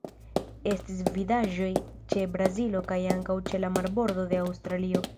Estis vidaĵoj ĉe Brazilo kaj ankaŭ ĉe la marbordo de Aŭstralio.